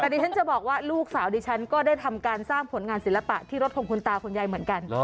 แต่ดิฉันจะบอกว่าลูกสาวดิฉันก็ได้ทำการสร้างผลงานศิลปะที่รถของคุณตาคุณยายเหมือนกัน